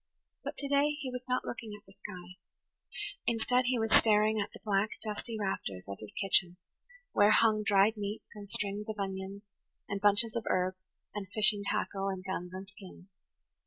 But today he was not looking at the sky; instead, he was staring at the black, dusty rafters of his kitchen, where hung dried meats and strings of onions and bunches of herbs and fishing tackle and guns and skins.